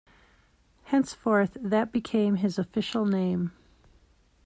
Henceforth, that became his official name.